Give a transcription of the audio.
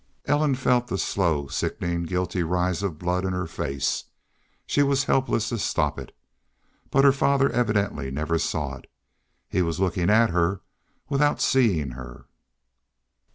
Ellen felt the slow, sickening, guilty rise of blood in her face. She was helpless to stop it. But her father evidently never saw it. He was looking at her without seeing her.